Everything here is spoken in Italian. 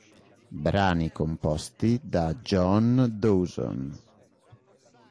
Brani composti da John Dawson.